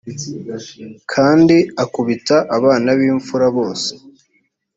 kandi akubita abana b imfura bose